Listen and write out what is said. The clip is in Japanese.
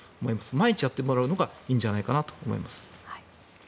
毎日やってもらうのがいいんじゃないかと思います。